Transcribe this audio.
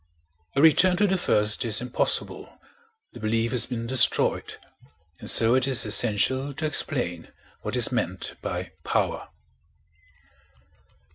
A return to the first is impossible, the belief has been destroyed; and so it is essential to explain what is meant by power.